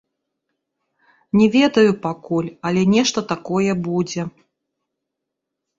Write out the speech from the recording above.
Не ведаю пакуль, але нешта такое будзе.